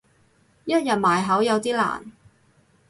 一日埋口有啲難